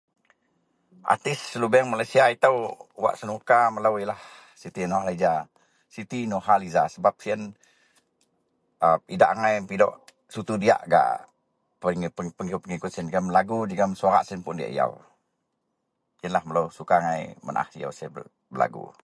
Artist lobeng malaysia ito wak senuka melo iyenlah siti norliza, siti norhasliza sebab siyen idak angai pidok contoh diyak gak.... [unintelligible] jegum belagu jegum suarak siyen diyak yaw. Iyenlah melo suka siyen belagu.